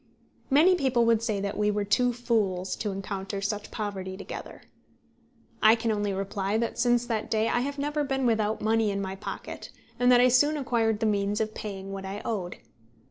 Many people would say that we were two fools to encounter such poverty together. I can only reply that since that day I have never been without money in my pocket, and that I soon acquired the means of paying what I owed.